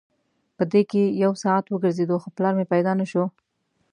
په دې کې یو ساعت وګرځېدو خو پلار مې پیدا نه شو.